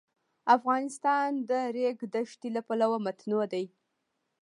افغانستان د د ریګ دښتې له پلوه متنوع دی.